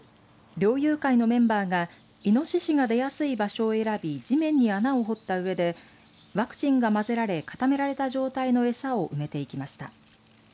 猟友会のメンバーがイノシシが出やすい場所を選び地面に穴を掘ったうえでワクチンが混ぜられ固められた状態のエサ埋めていきました。